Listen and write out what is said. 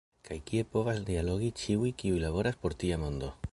Kaj kie povas dialogi ĉiuj, kiuj laboras por tia mondo.